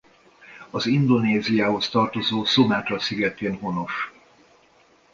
Az Indonéziához tartozó Szumátra szigetén honos.